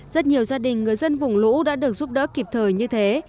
rất nhiều gia đình người dân vùng lũ đã được giúp đỡ kịp thời như thế